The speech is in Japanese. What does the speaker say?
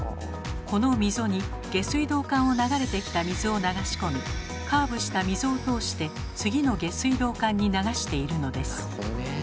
この溝に下水道管を流れてきた水を流し込みカーブした溝を通して次の下水道管に流しているのです。